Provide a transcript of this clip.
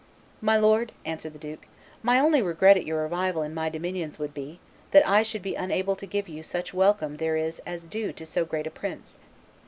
"My lord," answered the duke, "my only regret at your arrival in my dominions would be, that I should be unable to give you such welcome there as is due to so great a prince.